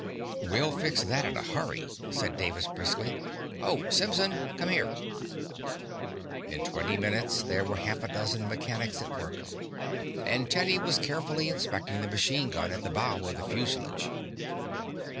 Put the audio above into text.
"We'll fix that in a hurry," said Davis briskly. "Oh, Simpson! Come here!" In twenty minutes there were half a dozen mechanicians at work, and Teddy was carefully inspecting the machine gun at the bow of the fusilage.